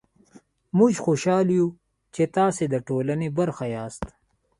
موژ خوشحاله يو چې تاسې ده ټولني برخه ياست